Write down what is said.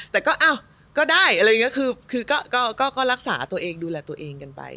แต่ก็อ้าวก็ได้อะไรอย่างนี้คือก็รักษาตัวเองดูแลตัวเองกันไป